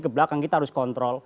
kebelakang kita harus kontrol